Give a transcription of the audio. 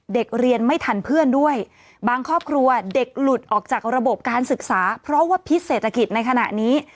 เด็กเรียนไม่ทันเพื่อนด้วยบางครอบครัวเด็กหลุดออกจากระบบการศึกษาเพราะว่าพิษเศรษฐกิจในขณะนี้